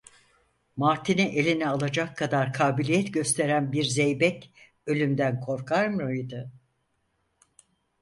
Martini eline alacak kadar kabiliyet gösteren bir zeybek ölümden korkar mıydı?